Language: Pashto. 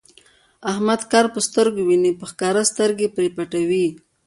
احمد کار په سترګو ویني، په ښکاره سترګې پرې پټوي.